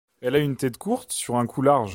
Elle a une tête courte sur un cou large.